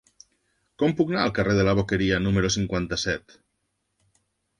Com puc anar al carrer de la Boqueria número cinquanta-set?